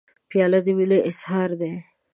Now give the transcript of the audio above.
پیاله د مینې اظهار دی.